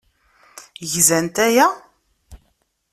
Gzant aya?